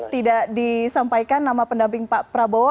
tidak disampaikan nama pendamping pak prabowo